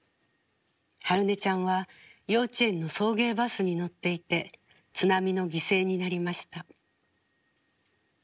春音ちゃんは幼稚園の送迎バスに乗っていて津波の犠牲になりました。